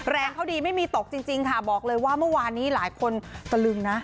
แรงเขาดีไม่มีตกจริงค่ะบอกเลยว่าเมื่อวานนี้หลายคนตะลึงนะ